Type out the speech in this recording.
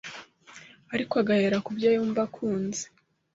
ariko agahera ku byo yumva akunze